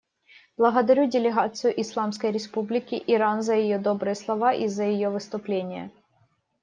Благодарю делегацию Исламской Республики Иран за ее добрые слова и за ее выступление.